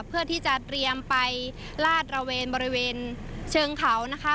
เพื่อที่จะเตรียมไปลาดระเวนบริเวณเชิงเขานะคะ